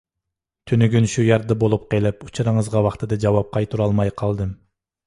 تۈنۈگۈن شۇ يەردە بولۇپ قېلىپ، ئۇچۇرىڭىزغا ۋاقتىدا جاۋاب قايتۇرالماي قالدىم.